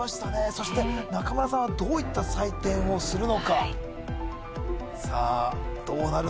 そして中村さんはどういった採点をするのかさあどうなる？